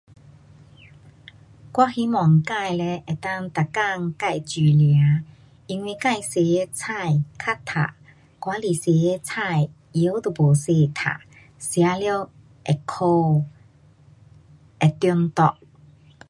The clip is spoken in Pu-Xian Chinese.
我希望自嘞能够每天自煮吃。因为自洗的菜较净。外里洗的菜，药都没洗净。吃了会苦，会中毒。